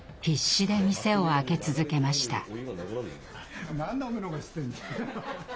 必死で店を開け続けました。